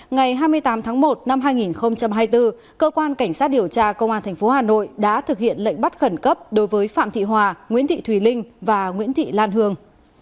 ngày hai mươi tám tháng một năm hai nghìn hai mươi bốn cơ quan cảnh sát điều tra công an tp hà nội đã thực hiện lệnh bắt khẩn cấp đối với phạm thị hòa nguyễn thị thùy linh và nguyễn thị lan hương